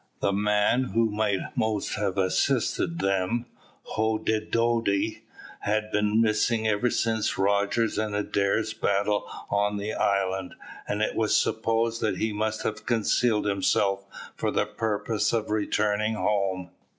The man who might most have assisted them, Hoddidoddi, had been missing ever since Rogers' and Adair's battle on the island, and it was supposed that he must have concealed himself for the purpose of returning home.